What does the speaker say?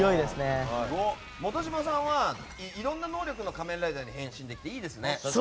本島さんはいろんな能力の仮面ライダーに変身できて、いいですね。